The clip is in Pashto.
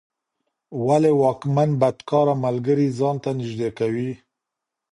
ولي واکمن بدکاره ملګري ځان ته نږدې کوي؟